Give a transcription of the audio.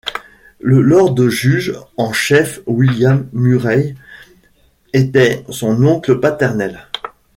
Le Lord juge en Chef William Murray était son oncle paternel.